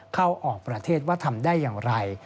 เข้าออกประเทศว่าทำได้อย่างไร